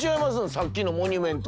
さっきのモニュメント。